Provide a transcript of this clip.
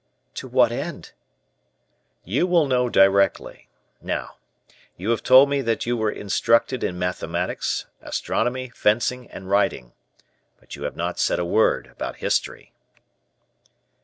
"To what end?" "You will know directly. Now, you have told me that you were instructed in mathematics, astronomy, fencing, and riding; but you have not said a word about history."